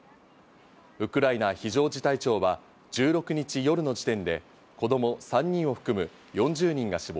ウクライナ非常事態庁は１６日夜の時点で、子供３人を含む４０人が死亡。